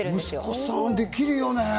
息子さんできるよね